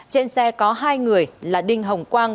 trên xe có hai người là đinh hồng quang